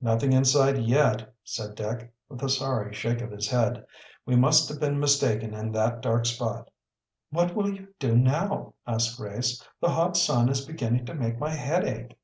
"Nothing in sight yet," said Dick, with a sorry shake of his head. "We must have been mistaken in that dark spot." "What will you do now?" asked Grace. "The hot sun is beginning to make my head ache."